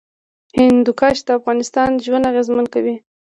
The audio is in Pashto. هندوکش د افغانانو ژوند اغېزمن کوي.